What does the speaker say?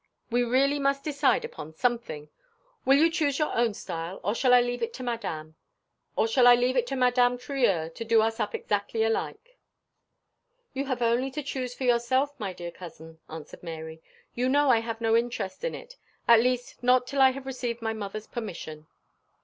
We really must decide upon something. Will you choose your own style, or shall I leave it to Madame Trieur to do us up exactly alike?" "You have only to choose for yourself, my dear cousin," answered Mary. "You know I have no interest in it at least not till I have received my mother's permission."